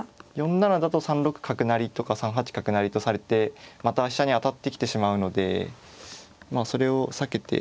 ４七だと３六角成とか３八角成とされてまた飛車に当たってきてしまうのでまあそれを避けて。